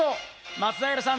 松平さん